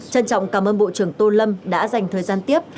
trân trọng cảm ơn bộ trưởng tô lâm đã dành thời gian tiếp